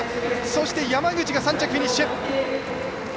そして、山口が３着でフィニッシュ。